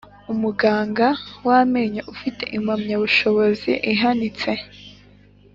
Umuganga w amenyo ufite Impamyabushobozi ihanitse